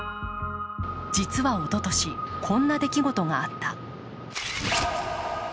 実はおととし、こんな出来事があった。